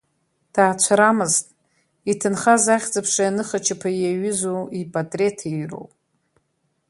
Дҭаацәарамызт, иҭынхаз ахьӡ-аԥшеи аныхачаԥа иаҩызоу ипатреҭи роуп.